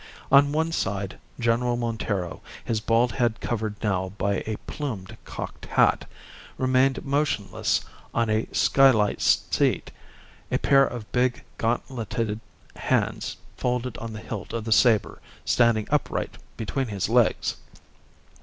On one side, General Montero, his bald head covered now by a plumed cocked hat, remained motionless on a skylight seat, a pair of big gauntleted hands folded on the hilt of the sabre standing upright between his legs.